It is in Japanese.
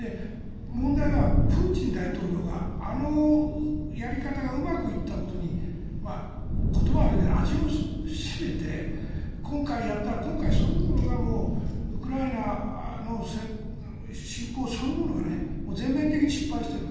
問題はプーチン大統領があのやり方がうまくいったことに言葉は悪いけど、味を占めて今回やったら、今回そのものがウクライナの侵攻そのものが全面的に失敗している。